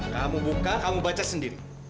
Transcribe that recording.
kamu buka kamu baca sendiri